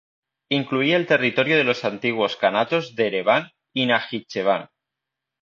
Incluía el territorio de los antiguos kanatos de Ereván y Najicheván.